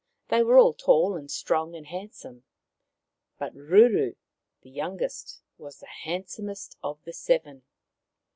They were all tall and strong and handsome, but Ruru, the youngest, was the handsomest of the seven.